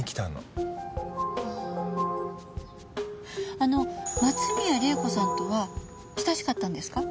あの松宮玲子さんとは親しかったんですか？